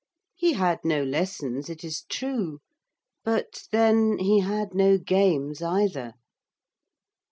He had no lessons, it is true; but, then, he had no games either.